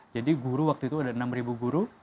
jadi guru waktu itu ada enam ribu guru